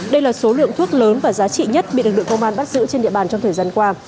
đây là số lượng thuốc lớn và giá trị nhất bị lực lượng công an bắt giữ trên địa bàn trong thời gian qua